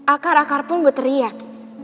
akar akar pun berteriak